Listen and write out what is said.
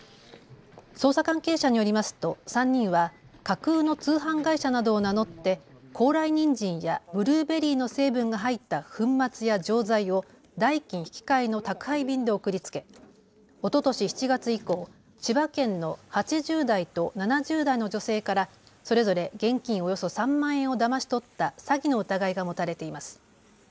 捜査関係者によりますと３人は架空の通販会社などを名乗って高麗にんじんやブルーベリーの成分が入った粉末や錠剤を代金引換の宅配便で送りつけおととし７月以降、千葉県の８０代と７０代の女性からそれぞれ現金およそ３万円をだまし取った詐欺の疑いが持たれています。